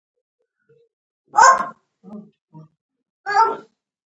پام وکړئ چې دویم او دریم نلونه جوش نه وي.